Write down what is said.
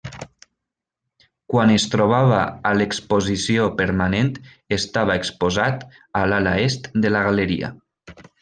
Quan es trobava a l'exposició permanent estava exposat a l'ala Est de la galeria.